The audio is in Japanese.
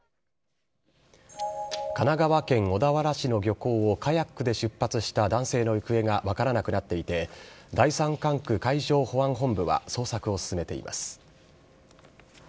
神奈川県小田原市の漁港をカヤックで出発した男性の行方が分からなくなっていて、第３管区海上保安本部は捜索を進めています。